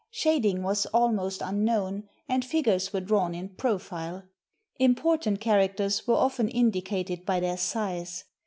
Shading was almost unknown, and 6gures were drawn in profile. Important characters were often indicated by their si2e.